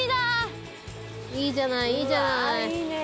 いいじゃないいいじゃない。